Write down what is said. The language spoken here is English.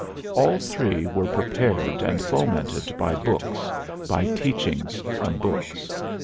All three were prepared and fomented by books, by teachings from books.